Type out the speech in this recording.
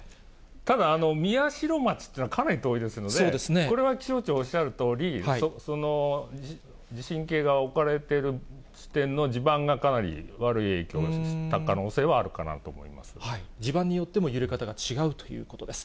ただ、宮代町っていうのはかなり遠いですので、これは気象庁おっしゃるとおり、その地震計が置かれている地点の地盤がかなり悪い影響した可能性地盤によっても揺れ方が違うということです。